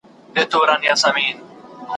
دا تیارې به رڼا کیږي ,